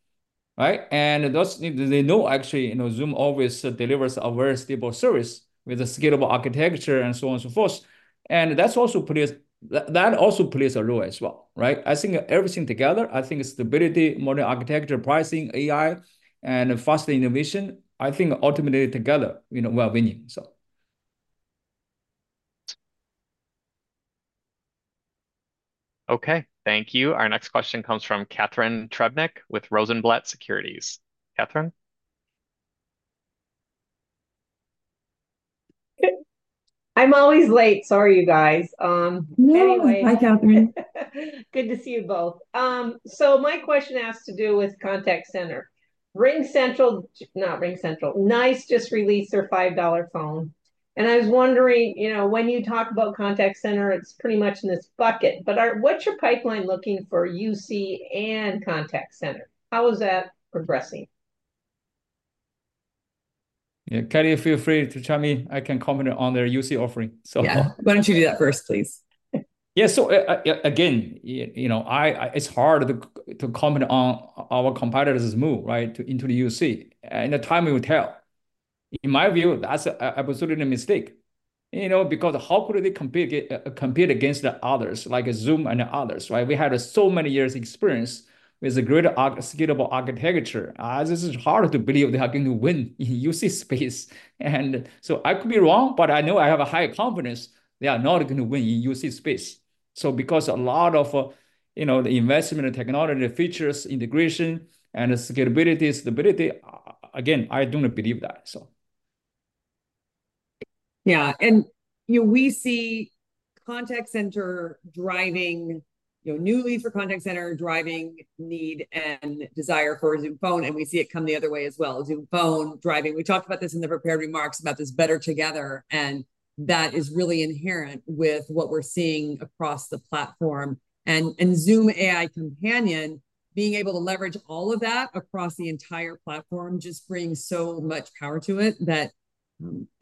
right? And those, they know actually, you know, Zoom always delivers a very stable service with a scalable architecture, and so on and so forth. And that also plays a role as well, right? I think everything together, I think stability, modern architecture, pricing, AI, and faster innovation, I think ultimately together, you know, we are winning, so. Okay, thank you. Our next question comes from Catharine Trebnick with Rosenblatt Securities. Catharine? I'm always late. Sorry, you guys. Anyway- No. Hi, Catharine. Good to see you both. So my question has to do with contact center. RingCentral - not RingCentral. NICE just released their $5 phone, and I was wondering, you know, when you talk about contact center, it's pretty much in this bucket. But what's your pipeline looking for UC and contact center? How is that progressing? Yeah, Kelly, feel free to chime in. I can comment on their UC offering, so - Yeah, why don't you do that first, please? Yeah, so, yeah, again, you know, it's hard to comment on our competitor's move, right, to into the UC. And in time we will tell. In my view, that's an absolute mistake, you know, because how could they compete against the others, like Zoom and others, right? We had so many years experience with a great scalable architecture. This is hard to believe they are going to win in UC space. And so I could be wrong, but I know I have a high confidence they are not going to win in UC space. So because a lot of, you know, the investment in technology features, integration, and scalability, stability, again, I do not believe that, so. Yeah, and, you know, we see contact center driving, you know, new lead for contact center, driving need and desire for a Zoom Phone, and we see it come the other way as well, Zoom Phone driving. We talked about this in the prepared remarks about this better together, and that is really inherent with what we're seeing across the platform. And Zoom AI Companion, being able to leverage all of that across the entire platform just brings so much power to it that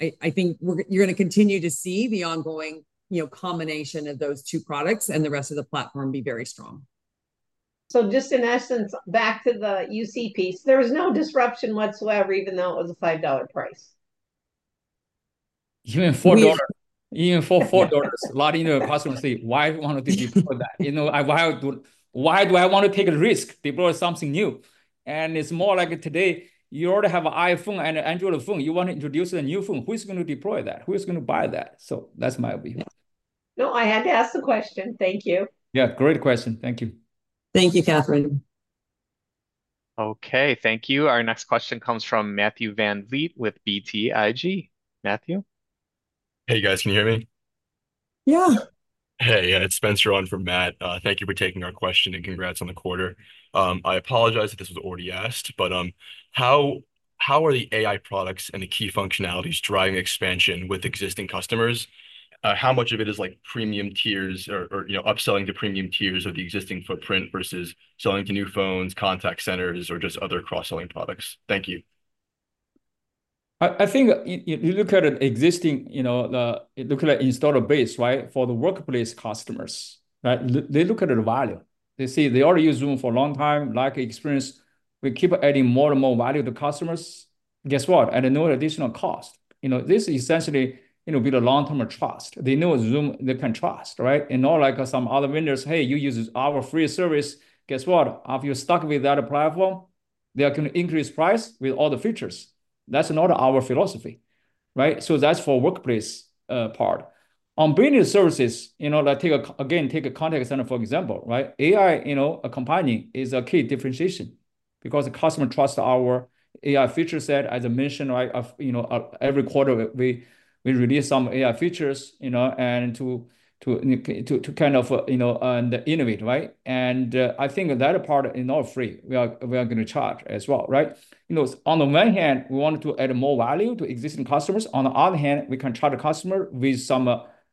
I think you're going to continue to see the ongoing, you know, combination of those two products and the rest of the platform be very strong. So just in essence, back to the UC piece, there was no disruption whatsoever, even though it was a $5 price? Even $4. We- Even for $4, a lot of new customers say, "Why would I want to deploy that?" You know, "Why do I want to take a risk, deploy something new?" And it's more like today, you already have an iPhone and an Android phone. You want to introduce a new phone. Who's going to deploy that? Who's going to buy that? So that's my opinion. No, I had to ask the question. Thank you. Yeah, great question. Thank you. Thank you, Catharine. Okay, thank you. Our next question comes from Matthew VanVliet with BTIG. Matthew? Hey, guys. Can you hear me? Yeah. Hey, it's Spencer on for Matt. Thank you for taking our question, and congrats on the quarter. I apologize if this was already asked, but how are the AI products and the key functionalities driving expansion with existing customers? How much of it is, like, premium tiers or, you know, upselling to premium tiers of the existing footprint versus selling to new phones, contact centers, or just other cross-selling products? Thank you. I think if you look at an existing, you know, the installed base, right? For the workplace customers, right? They look at the value. They see they already use Zoom for a long time, like experience. We keep adding more and more value to customers. Guess what? At no additional cost. You know, this essentially, you know, build a long-term trust. They know Zoom they can trust, right? And not like some other vendors, "Hey, you use our free service." Guess what? After you're stuck with that platform, they are going to increase price with all the features. That's not our philosophy, right? So that's for workplace part. On premium services, you know, like, take again, take a contact center, for example, right? AI, you know, a companion is a key differentiation because the customer trusts our AI feature set, as I mentioned, right? Of, you know, every quarter, we release some AI features, you know, and to kind of, you know, innovate, right? And, I think that part is not free. We are going to charge as well, right? You know, on the one hand, we want to add more value to existing customers. On the other hand, we can charge the customer with some,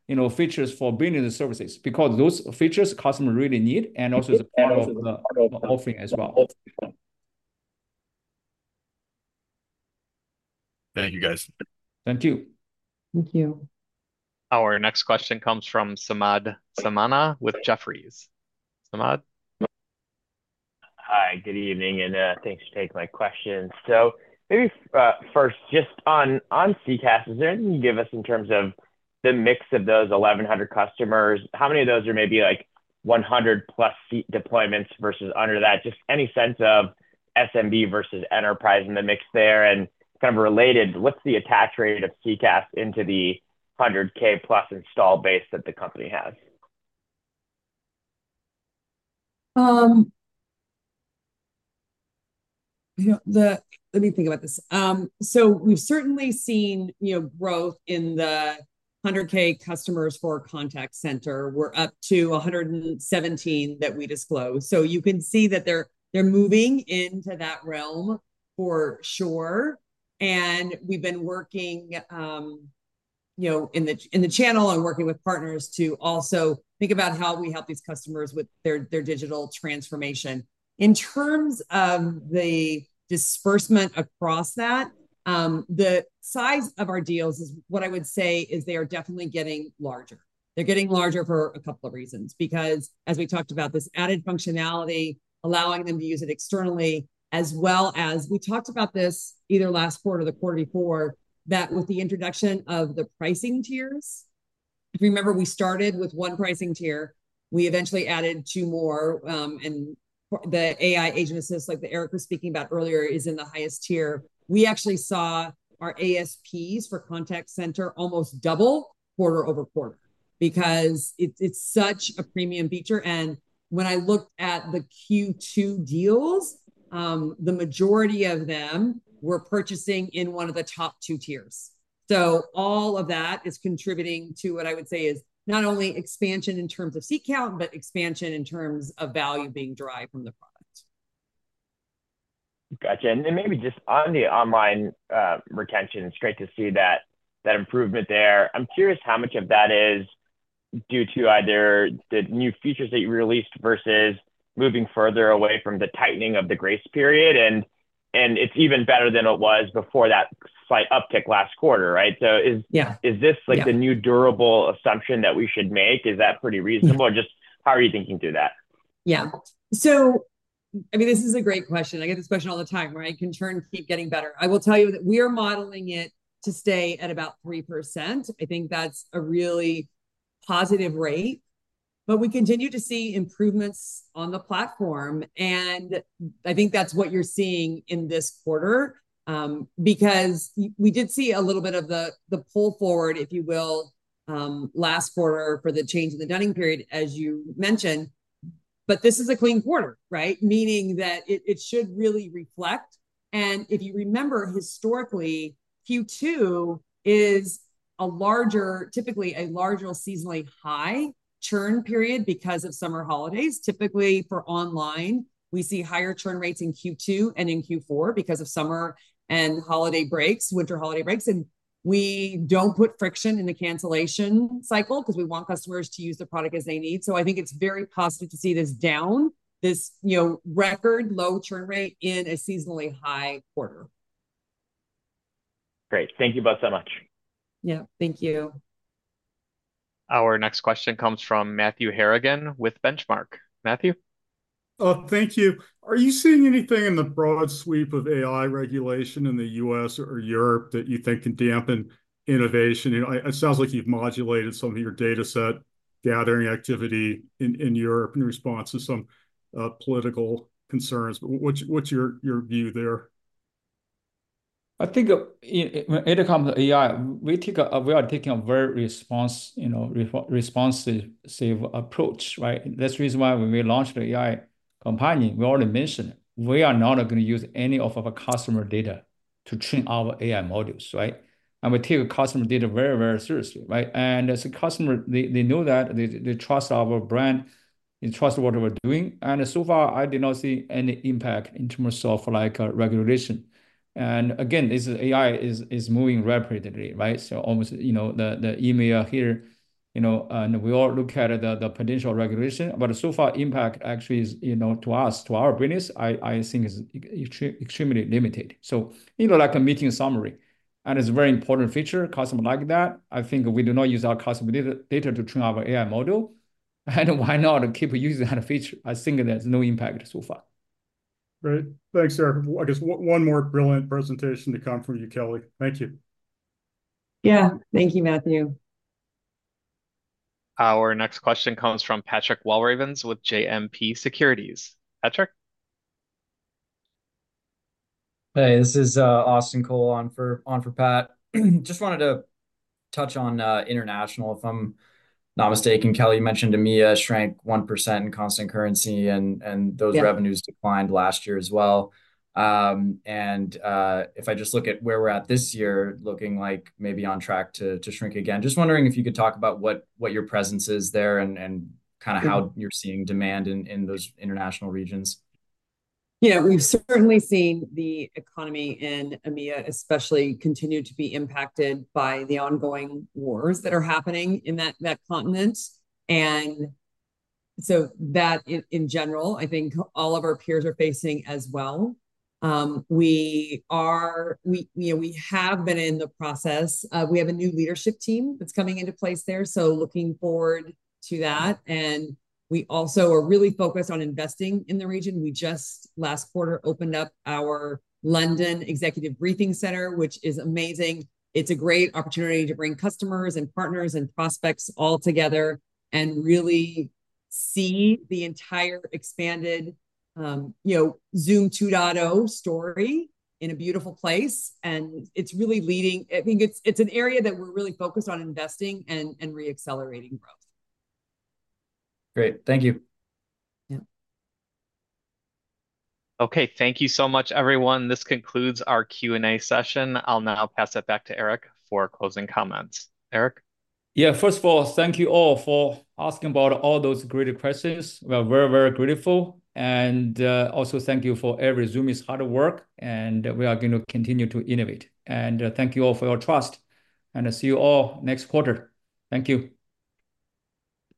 you know, features for bringing the services, because those features customer really need, and also is a part of the- Part of the. Offering as well. Thank you, guys. Thank you. Thank you. Our next question comes from Samad Samana with Jefferies. Samad? Hi, good evening, and thanks for taking my questions. So maybe first, just on CCaaS, is there anything you can give us in terms of the mix of those 1,100 customers? How many of those are maybe, like, 100-plus seat deployments versus under that? Just any sense of SMB versus enterprise in the mix there. And kind of related, what's the attach rate of CCaaS into the 100K-plus install base that the company has? You know, let me think about this. So we've certainly seen, you know, growth in the 100K customers for contact center. We're up to 117 that we disclosed. So you can see that they're moving into that realm for sure, and we've been working, you know, in the channel and working with partners to also think about how we help these customers with their digital transformation. In terms of the disbursement across that, the size of our deals is, what I would say, is they are definitely getting larger. They're getting larger for a couple of reasons. Because, as we talked about, this added functionality, allowing them to use it externally, as well as we talked about this either last quarter or the quarter before, that with the introduction of the pricing tiers... If you remember, we started with one pricing tier. We eventually added two more, and the AI Expert Assist, like that Eric was speaking about earlier, is in the highest tier. We actually saw our ASPs for contact center almost double quarter-over-quarter, because it's such a premium feature, and when I looked at the Q2 deals, the majority of them were purchasing in one of the top two tiers, so all of that is contributing to what I would say is not only expansion in terms of seat count, but expansion in terms of value being derived from the product. Gotcha. And then maybe just on the online retention, it's great to see that improvement there. I'm curious how much of that is due to either the new features that you released versus moving further away from the tightening of the grace period, and it's even better than it was before that slight uptick last quarter, right? So is- Yeah. Is this, like, the new durable assumption that we should make? Is that pretty reasonable? Yeah. Or just how are you thinking through that? Yeah. So I mean, this is a great question. I get this question all the time, right? Can churn keep getting better? I will tell you that we are modeling it to stay at about 3%. I think that's a really positive rate, but we continue to see improvements on the platform, and I think that's what you're seeing in this quarter. Because we did see a little bit of the pull forward, if you will, last quarter for the change in the dunning period, as you mentioned, but this is a clean quarter, right? Meaning that it should really reflect, and if you remember, historically, Q2 is typically a larger or seasonally high churn period because of summer holidays. Typically, for online, we see higher churn rates in Q2 and in Q4 because of summer and holiday breaks, winter holiday breaks, and we don't put friction in the cancellation cycle, 'cause we want customers to use the product as they need. So I think it's very positive to see this down, you know, record low churn rate in a seasonally high quarter. Great. Thank you both so much. Yeah, thank you. Our next question comes from Matthew Harrigan with Benchmark. Matthew? Oh, thank you. Are you seeing anything in the broad sweep of AI regulation in the U.S. or Europe that you think can dampen innovation? You know, it sounds like you've modulated some of your dataset gathering activity in Europe in response to some political concerns, but what's your view there? I think when it comes to AI, we are taking a very responsive approach, right? That's the reason why when we launched the AI companion, we already mentioned it, we are not gonna use any of our customer data to train our AI models, right? And we take customer data very, very seriously, right? And as a customer, they know that, they trust our brand, they trust what we're doing. And so far, I did not see any impact in terms of, like, regulation. And again, this AI is moving rapidly, right? So almost, you know, the EMEA here, you know, and we all look at the potential regulation, but so far, impact actually is, you know, to us, to our business, I think is extremely limited. You know, like a meeting summary, and it's a very important feature customers like that. I think we do not use our customer data to train our AI model, and why not keep using that feature? I think there's no impact so far. Great. Thanks, Eric. I guess one, one more brilliant presentation to come from you, Kelly. Thank you. Yeah. Thank you, Matthew. Our next question comes from Patrick Walravens with JMP Securities. Patrick? Hey, this is Austin Cole on for Pat. Just wanted to touch on international. If I'm not mistaken, Kelly, you mentioned EMEA shrank 1% in constant currency, and those- Yeah... revenues declined last year as well. And if I just look at where we're at this year, looking like maybe on track to shrink again, just wondering if you could talk about what your presence is there and kind of how you're seeing demand in those international regions. Yeah, we've certainly seen the economy in EMEA, especially continue to be impacted by the ongoing wars that are happening in that continent, and so, in general, I think all of our peers are facing as well. We, you know, we have been in the process. We have a new leadership team that's coming into place there, so looking forward to that, and we also are really focused on investing in the region. We just last quarter opened up our London Executive Briefing Center, which is amazing. It's a great opportunity to bring customers and partners and prospects all together and really see the entire expanded, you know, Zoom 2.0 story in a beautiful place, and it's really leading. I think it's an area that we're really focused on investing and re-accelerating growth. Great. Thank you. Yeah. Okay. Thank you so much, everyone. This concludes our Q&A session. I'll now pass it back to Eric for closing comments. Eric? Yeah, first of all, thank you all for asking about all those great questions. We are very, very grateful. And, also thank you for every Zoomer's hard work, and we are gonna continue to innovate. And, thank you all for your trust, and see you all next quarter. Thank you.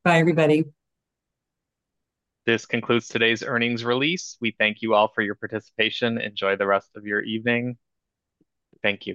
Bye, everybody. This concludes today's earnings release. We thank you all for your participation. Enjoy the rest of your evening. Thank you.